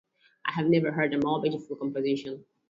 I have never heard a more beautiful composition.